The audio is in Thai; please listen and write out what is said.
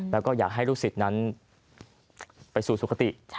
แล้วก็อยากให้ลูกศิษย์นั้นไปสู่สุขติ